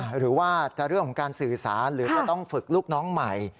หรือว่าจะเรื่องของการสื่อสารหรือจะต้องฝึกลูกน้องใหม่